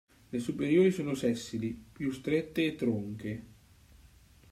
Le superiori sono sessili, più strette e tronche.